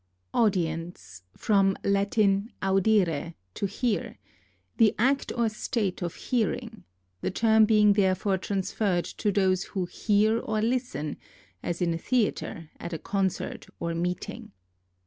AUDIENCE (from Lat. audire, to hear), the act or state of hearing, the term being therefore transferred to those who hear or listen, as in a theatre, at a concert or meeting.